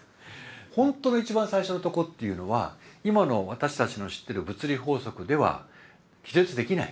ほんとの一番最初のとこっていうのは今の私たちの知ってる物理法則では記述できない。